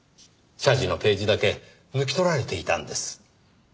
謝辞のページだけ抜き取られていたんです。